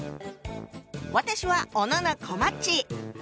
私は小野こまっち。